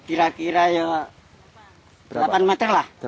kira kira ya delapan meter lah